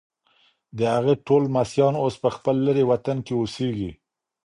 د هغې ټول لمسیان اوس په خپل لیرې وطن کې اوسیږي.